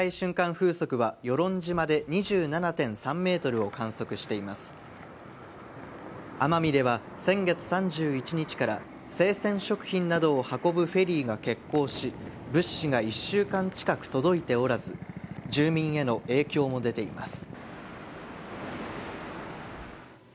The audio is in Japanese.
風速は与論島で２７．３メートルを観測しています奄美では先月３１日から生鮮食品などを運ぶフェリーが欠航し物資が１週間近く届いておらず住民への影響も出ています